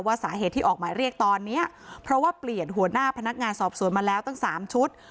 สาเหตุที่ออกหมายเรียกตอนนี้เพราะว่าเปลี่ยนหัวหน้าพนักงานสอบสวนมาแล้วตั้ง๓ชุด